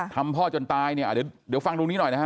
พ่อจนตายเนี่ยเดี๋ยวฟังตรงนี้หน่อยนะฮะ